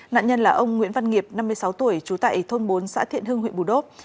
nạn nhân là ông nguyễn văn nghiệp năm mươi sáu tuổi trú tại thôn bốn xã thiện hưng huyện bù đốp